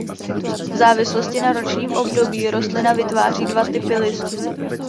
V závislosti na ročním období rostlina vytváří dva typy listů.